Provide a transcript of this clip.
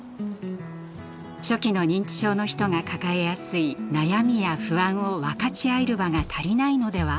初期の認知症の人が抱えやすい悩みや不安を分かち合える場が足りないのでは？